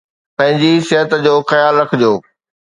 پنهنجي صحت جو خيال رکجو